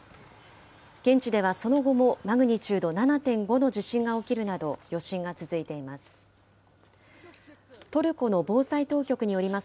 現地ではその後もマグニチュード７．５の地震が起きるなど、余震が続いています。